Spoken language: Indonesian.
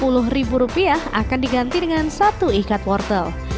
tiket sebesar sepuluh ribu rupiah akan diganti dengan satu ikat wortel